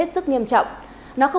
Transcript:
từ một năm đến năm năm